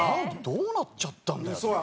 どうなっちゃったんだよと思って。